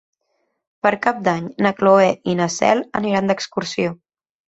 Per Cap d'Any na Cloè i na Cel aniran d'excursió.